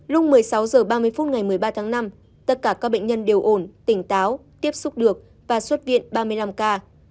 lúc một mươi sáu h ba mươi phút ngày một mươi ba tháng năm tất cả các bệnh nhân đều ổn tỉnh táo tiếp xúc được và xuất viện ba mươi năm ca